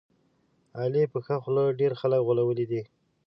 علي په ښه خوله ډېر خلک غولولي دي.